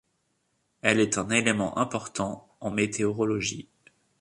Elle est un élément important en météorologie.